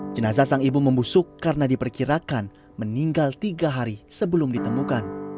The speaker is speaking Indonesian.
jenazah sang ibu membusuk karena diperkirakan meninggal tiga hari sebelum ditemukan